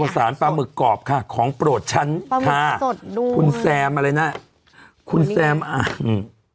พบศาลปลาหมึกกรอบค่ะของโปรดชั้นค่ะคุณแซมอะไรนะคุณแซมอ้าง